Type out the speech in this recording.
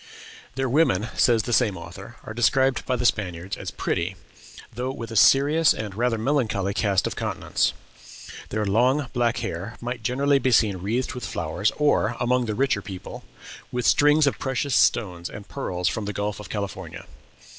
"Their women," says the same author, "are described by the Spaniards as pretty, though with a serious and rather melancholy cast of countenance. Their long, black hair might generally be seen wreathed with flowers, or, among the richer people, with strings of precious stones and pearls from the Gulf of California.